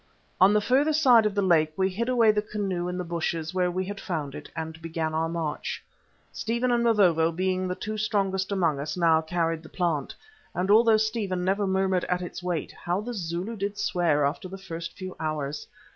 On the further side of the lake we hid away the canoe in the bushes where we had found it, and began our march. Stephen and Mavovo, being the two strongest among us, now carried the plant, and although Stephen never murmured at its weight, how the Zulu did swear after the first few hours!